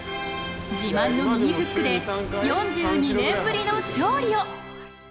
自慢の右フックで４２年ぶりの勝利を。